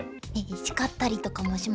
叱ったりとかもしますか？